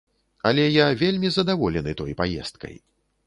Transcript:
Але я вельмі задаволены той паездкай.